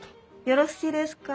よろしいですか？